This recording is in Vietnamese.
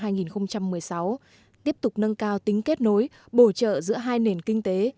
năm hai nghìn một mươi sáu tiếp tục nâng cao tính kết nối bổ trợ giữa hai nền kinh tế